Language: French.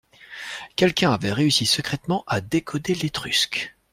Quelqu’un avait réussi secrètement à décoder l’étrusque